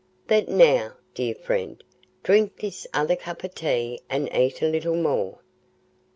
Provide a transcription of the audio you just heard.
But now, dear friend, drink this other cup of tea and eat a little more."